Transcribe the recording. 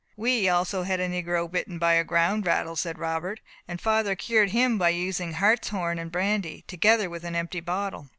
"We also had a negro bitten by a ground rattle," said Robert, "and father cured him by using hartshorn and brandy, together with an empty bottle."